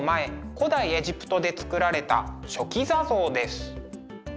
古代エジプトで作られた「書記座像」です。